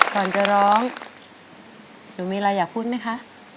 ก่อนจะร้องหนูมีอะไรอยากพูดไหมคะ